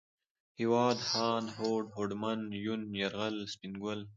هېواد ، هاند ، هوډ ، هوډمن ، يون ، يرغل ، سپين ګل